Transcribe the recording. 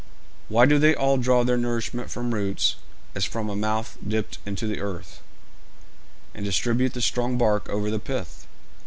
Why do they all draw their nourishment from roots as from a mouth dipped into the earth, and distribute the strong bark over the pith?